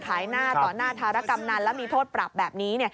ขายหน้าต่อหน้าธารกำนันแล้วมีโทษปรับแบบนี้